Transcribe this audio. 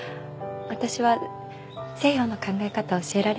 私は西洋の考え方は教えられないから。